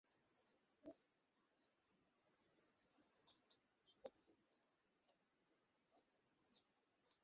বিলুর ধারণা, আপনি হচ্ছেন হেমা মালিনী।